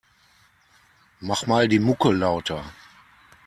Mach mal die Mucke lauter.